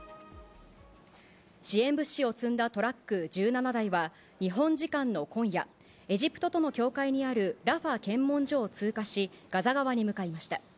支援物資を積んだトラック１７台は、日本時間の今夜、エジプトとの境界にあるラファ検問所を通過し、ガザ側に向かいました。